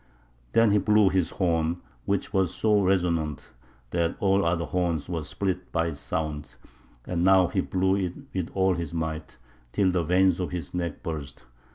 Then he blew his horn, which was so resonant that all other horns were split by its sound; and now he blew it with all his might, till the veins of his neck burst.